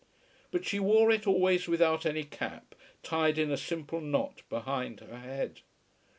But she wore it always without any cap, tied in a simple knot behind her head.